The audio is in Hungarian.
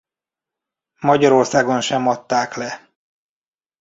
Magyarországon sem adták le.